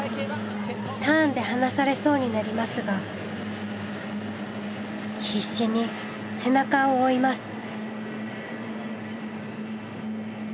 ターンで離されそうになりますが必死に背中を追います。